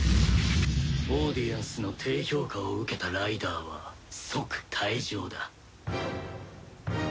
オーディエンスの低評価を受けたライダーは即退場だ。